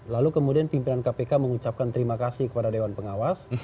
lalu kemudian pimpinan kpk mengucapkan terima kasih kepada dewan pengawas